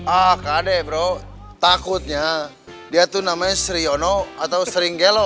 ah kade bro takutnya dia tuh namanya sri yono atau sering gelo